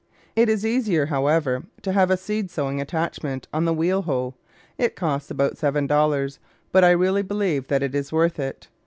It is easier, however, to have a seed sowing attachment on the wheel hoe. It costs about $7, but I really believe that it is worth it.